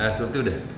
nah surti udah